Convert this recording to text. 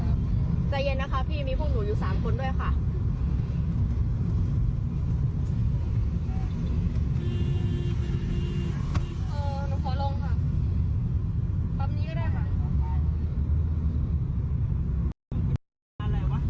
ใจเย็นนะคะพี่มีพวกหนูอยู่สามคนด้วยค่ะ